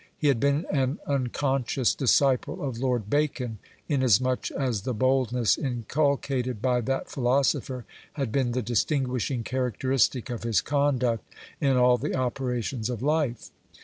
He had been an unconscious disciple of Lord Bacon, inasmuch as the boldness inculcated by that philosopher had been the distinguishing characteristic of his conduct in all the operations of life.